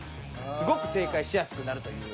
すごく正解しやすくなるという。